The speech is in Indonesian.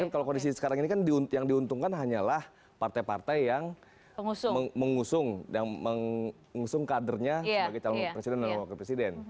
kalau kondisi sekarang ini kan yang diuntungkan hanyalah partai partai yang mengusung kadernya sebagai calon presiden dan wakil presiden